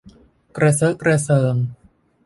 กระเซอะกระเซิง